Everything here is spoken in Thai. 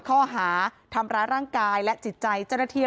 ข้อหาทำร้ายร่างกายและจิตใจเจ้าหน้าที่